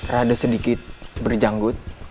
rada sedikit berjanggut